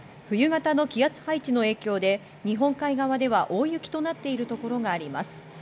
冬型の気圧配置の影響で日本海側では大雪となっているところがあります。